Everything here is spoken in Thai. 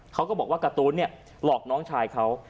เขาก็บอกว่าการ์ตูนหลอกน้องชายเขา